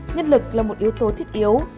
nhân lực là một yếu tố thiết yếu